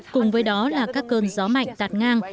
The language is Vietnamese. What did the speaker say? cùng với đó là các cơn gió mạnh tạt ngang